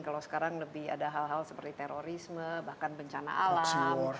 kalau sekarang lebih ada hal hal seperti terorisme bahkan bencana alam